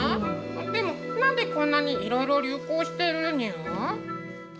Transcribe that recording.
でも、なんでこんなにいろいろ流行してるにゅ。